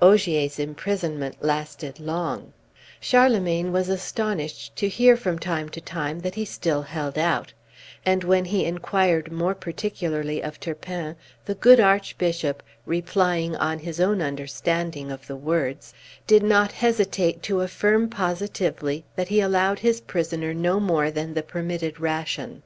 Ogier's imprisonment lasted long; Charlemagne was astonished to hear, from time to time, that he still held out; and when he inquired more particularly of Turpin, the good Archbishop, relying on his own understanding of the words, did not hesitate to affirm positively that he allowed his prisoner no more than the permitted ration.